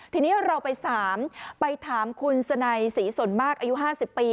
ทีนี้เราไป๓ไปถามคุณสนัยศรีสนมากอายุ๕๐ปี